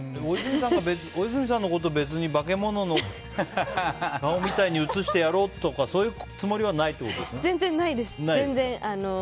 大泉さんのことを別に化け物の顔みたいに映してやろうとかそういうつもりは全然、ないです。